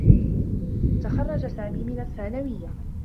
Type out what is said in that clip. تخرّج سامي من الثّانويّة.